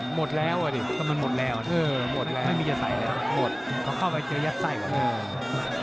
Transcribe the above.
หมดแล้วอ่ะดิไม่มีจะใส่แล้วเค้าเข้าไปเจอยัดไส้ก่อน